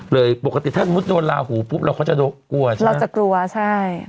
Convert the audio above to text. ปกติถ้าสมมุติโดนลาหูปุ๊บเราก็จะกลัวใช่ไหมเราจะกลัวใช่